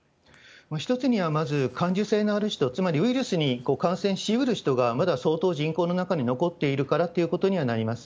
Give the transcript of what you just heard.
一つには、まず感受性のある人、つまりウイルスに感染しうる人が、まだ相当人口の中に残っているからということにはなります。